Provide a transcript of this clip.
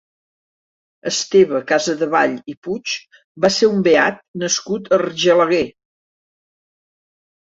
Esteve Casadevall i Puig va ser un beat nascut a Argelaguer.